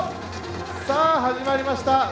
さあ、始まりました。